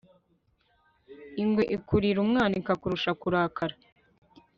ingwe ikurira umwana ikakurusha kurakara